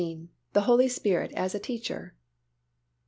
THE HOLY SPIRIT AS A TEACHER.